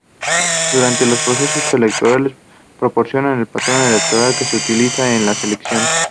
Durante los procesos electorales, proporciona el Padrón Electoral que se utilizará en las elecciones.